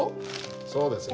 そうですね。